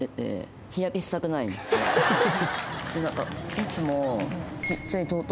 いつも。